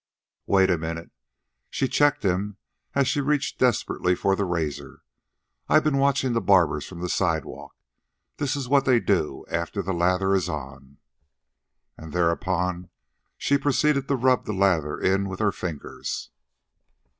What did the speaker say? "Wait a minute," she checked him, as he reached desperately for the razor. "I've been watching the barbers from the sidewalk. This is what they do after the lather is on." And thereupon she proceeded to rub the lather in with her fingers.